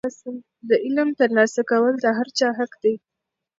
د علم ترلاسه کول د هر چا حق دی.